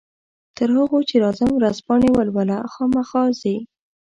تر هغو چې راځم ورځپاڼې ولوله، خامخا ځې؟